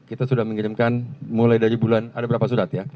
kita sudah mengirimkan mulai dari bulan ada berapa surat ya